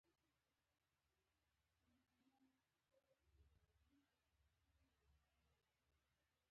د انفلاسیون د کابو کولو په برخه کې خپله دنده سر ته ورسوله.